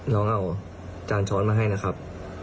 น้องเอาจานช้อนมาให้นะครับ